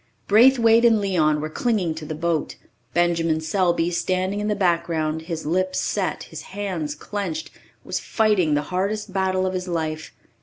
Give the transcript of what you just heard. Braithwaite and Leon were clinging to the boat. Benjamin Selby, standing in the background, his lips set, his hands clenched, was fighting the hardest battle of his life.